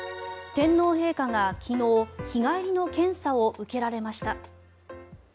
天皇陛下が昨日、日帰りの検査を受けられました。